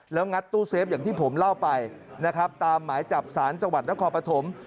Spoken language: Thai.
แล้วงัดตู้เซฟอย่างที่ผมเล่าไปนะครับตามหมายจับสารจังหวัดนครปฐม